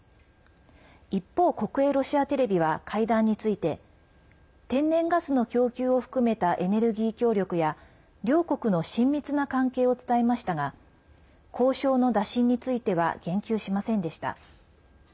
一方、国営ロシアテレビは会談について天然ガスの供給を含めたエネルギー協力や両国の親密な関係を伝えましたが交渉の打診については言及しませんでした。